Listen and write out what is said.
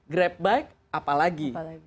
grab bike apalagi